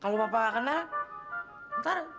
kalau papa tidak kenal nanti